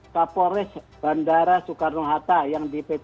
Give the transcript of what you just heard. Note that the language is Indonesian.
kapolres bandara soekarno hatta yang dpt